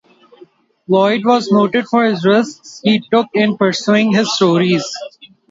Loyd was noted for the risks he took in pursuing his stories.